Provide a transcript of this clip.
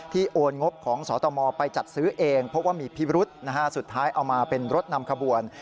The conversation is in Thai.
โอนงบของสตมไปจัดซื้อเองเพราะว่ามีพิรุษสุดท้ายเอามาเป็นรถนำขบวน